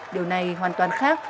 điều này hoàn toàn khác